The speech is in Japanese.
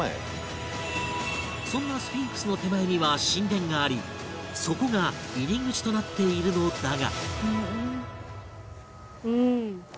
そんなスフィンクスの手前には神殿がありそこが入り口となっているのだが